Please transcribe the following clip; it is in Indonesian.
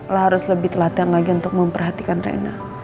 lo harus lebih telatang lagi untuk memperhatikan reina